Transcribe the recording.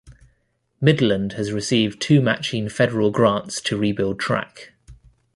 Midland has received two matching federal grants to rebuild track.